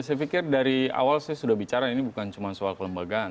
saya pikir dari awal saya sudah bicara ini bukan cuma soal kelembagaan